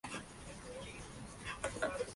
La ciudad le puso nombre a una calle en su honor.